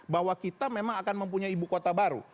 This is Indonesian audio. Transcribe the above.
bahwa kita memang akan mempunyai ibu kota baru